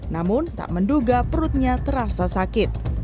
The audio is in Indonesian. namun tak menduga perutnya terasa sakit